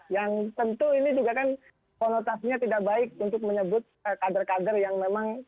yang tentu ini juga kan konotasinya tidak baik untuk menyebut kader kader yang memang